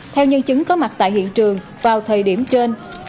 theo nhân chứng có mặt tại hiện trường vào thời điểm trên